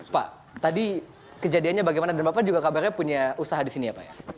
pak tadi kejadiannya bagaimana dan bapak juga kabarnya punya usaha di sini ya pak ya